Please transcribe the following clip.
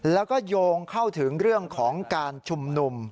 แล้วก็โยงเข้าถึงเรื่องของการชุมนุม